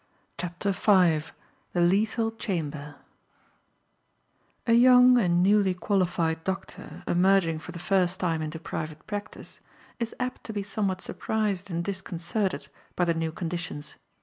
CHAPTER V THE LETHAL CHAMBER A YOUNG and newly qualified doctor, emerging for the first time into private practice, is apt to be somewhat surprised and disconcerted by the new conditions.